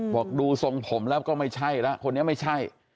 บอกดูทรงผมแล้วก็ไม่ใช่แล้วคนนี้ไม่ใช่